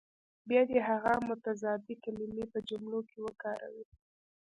بیا دې هغه متضادې کلمې په جملو کې وکاروي.